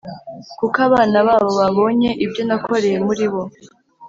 Kuko abana babo, babonye ibyo nakoreye muri bo,